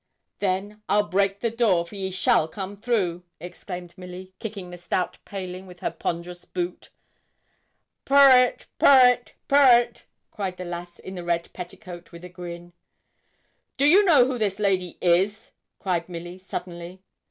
'Then I'll break the door, for ye shall come through,' exclaimed Milly, kicking the stout paling with her ponderous boot. 'Purr it, purr it, purr it!' cried the lass in the red petticoat with a grin. 'Do you know who this lady is?' cried Milly, suddenly.